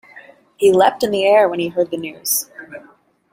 He leapt in the air when he heard the news.